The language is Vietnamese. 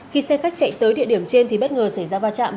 khi xe khách chạy tới địa điểm trên thì bất ngờ xảy ra va chạm